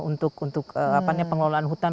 untuk pengelolaan hutan